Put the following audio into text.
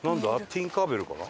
ティンカーベルかな。